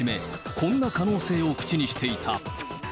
こんな可能性を口にしていた。